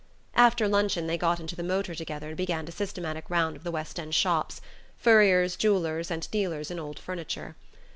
After luncheon they got into the motor together and began a systematic round of the West End shops: furriers, jewellers and dealers in old furniture.